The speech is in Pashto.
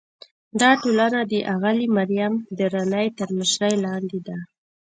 دا ټولنه د اغلې مریم درانۍ تر مشرۍ لاندې ده.